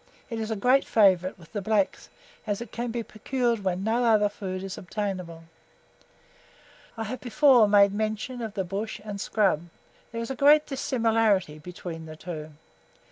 It is a great favourite with the blacks, as it can be procured when no other food is attainable. I have before made mention of the bush and scrub; there is a great dissimilarity between the two.